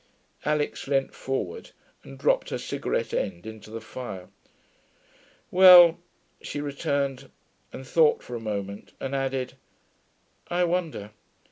Alix leant forward and dropped her cigarette end into the fire. 'Well,' she returned, and thought for a moment, and added, 'I wonder.